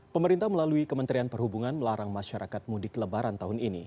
pemerintah melalui kementerian perhubungan melarang masyarakat mudik lebaran tahun ini